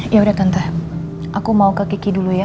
yaudah tante aku mau ke kiki dulu ya